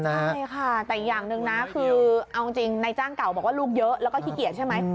ใช่ค่ะแต่อีกอย่างหนึ่งนะคือเอาจริงในจ้างเก่าบอกว่าลูกเยอะแล้วก็ขี้เกียจใช่ไหม